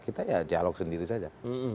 kita ya dialog sendiri saja